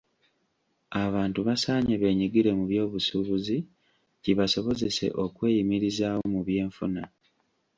Abantu basaanye beenyigire mu by'obusuubuzi kibasobozese okweyimirizaawo mu by'enfuna.